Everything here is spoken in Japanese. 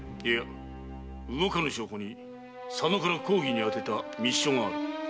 いや動かぬ証拠に佐野から公儀にあてた密書がある。